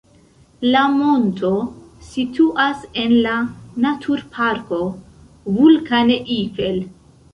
La monto situas en la Naturparko Vulkaneifel.